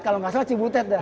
kalau gak salah si butet dah